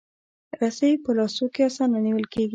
رسۍ په لاسو کې اسانه نیول کېږي.